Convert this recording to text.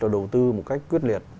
đầu tư một cách quyết liệt